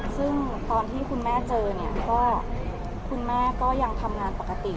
ซึ่งตอนที่คุณแม่เจอเนี่ยก็คุณแม่ก็ยังทำงานปกติ